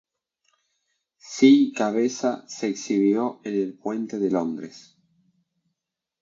Si cabeza se exhibió en el Puente de Londres.